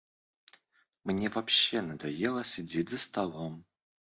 Мне вообще надоело сидеть за столом.